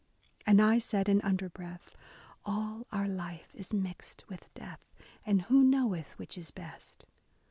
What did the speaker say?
And I said in underbreath, — All our life is mixed with death. And who knoweth which is best